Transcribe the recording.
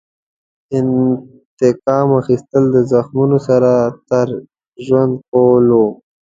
د انتقام اخیستل د زخمونو سره تر ژوند کولو.